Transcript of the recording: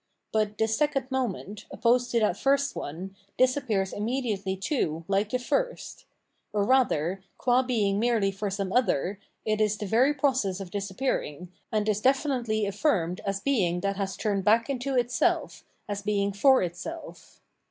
But this second moment, opposed to that first one, dis appears immediately too, like the first ; or, rather, quci being merely for some other, it is the very process of disappearing, and is definitely affirmed as being that has turned beick into itself, as being for itself.